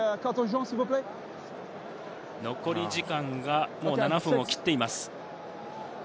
残り時間が７分を切っています。